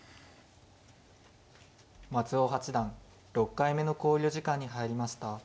松尾八段６回目の考慮時間に入りました。